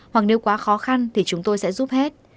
hoặc nếu quá khó khăn thì chúng tôi sẽ giúp hết